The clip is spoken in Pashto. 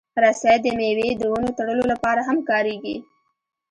رسۍ د مېوې د ونو تړلو لپاره هم کارېږي.